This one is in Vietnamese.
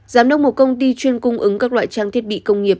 giám đốc một công ty chuyên cung ứng các loại trang thiết bị công nghiệp